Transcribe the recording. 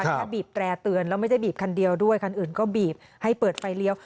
บีบแตร่เตือนแล้วไม่ได้บีบคันเดียวด้วยคันอื่นก็บีบให้เปิดไฟเลี้ยว